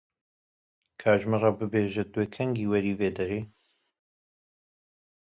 Ka ji min re bibêje tu yê kengî werî vê derê.